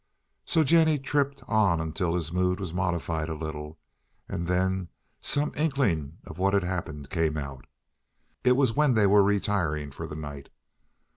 So Jennie tripped on until his mood was modified a little, and then some inkling of what had happened came out. It was when they were retiring for the night.